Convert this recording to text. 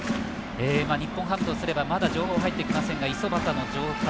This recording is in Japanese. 日本ハムとしてはまだ情報は入ってきませんが五十幡の状態。